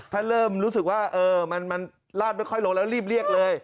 ท่านเริ่มรู้สึกว่ามันลาดไม่ค่อยลงแล้วรีบเรียกเลย